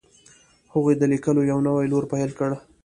هغوی د لیکلو یو نوی لوری پیل کړ.